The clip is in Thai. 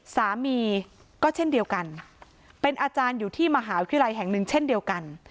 สามีก็เช่นเดียวกันเป็นอาจารย์อยู่ที่มหาวิทยาลัยแห่งหนึ่งเช่นเดียวกัน